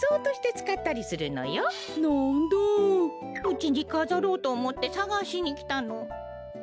うちにかざろうとおもってさがしにきたの。